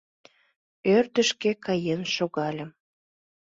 Ӧрдыжкӧ каен шогальым.